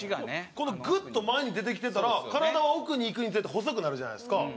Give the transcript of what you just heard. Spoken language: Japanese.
このグッと前に出てきてたら体は奥にいくにつれて細くなるじゃないですか。